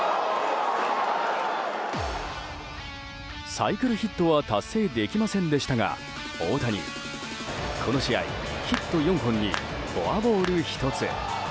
サイクルヒットは達成できませんでしたが大谷、この試合ヒット４本にフォアボール１つ。